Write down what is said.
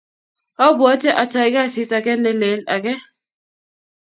Abwate atai kasit ange nelel ake